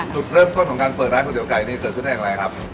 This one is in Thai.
จุดเริ่มต้นของการเปิดร้านก๋วเตี๋ไก่นี่เกิดขึ้นได้อย่างไรครับ